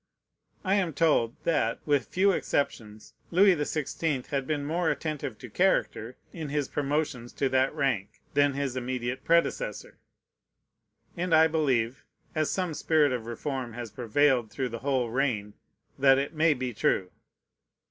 I am told, that, with few exceptions, Louis the Sixteenth had been more attentive to character, in his promotions to that rank, than his immediate predecessor; and I believe (as some spirit of reform has prevailed through the whole reign) that it may be true.